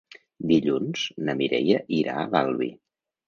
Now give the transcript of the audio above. Dilluns na Mireia irà a l'Albi.